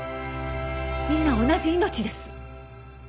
みんな同じ命です